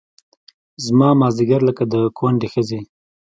زما مازدیګر لکه د کونډې ښځې